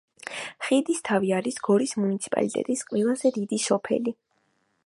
ხიდისთავი არის გორის მუნიციპალიტეტის ყველაზე დიდი სოფელი.